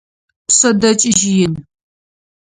Пшъэдэкӏыжь ин.